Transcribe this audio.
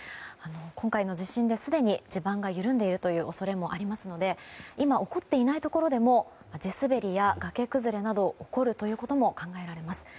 今回の地震ですでに地盤が緩んでいる恐れもありますので今、起こっていないところでも地滑りやがけ崩れなどが起こることも考えられます。